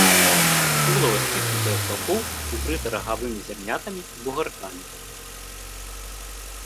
Тулава сціснутае з бакоў, укрыта рагавымі зярнятамі і бугаркамі.